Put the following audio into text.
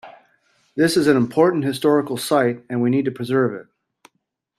This is an important historical site, and we need to preserve it.